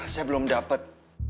saya belum dapat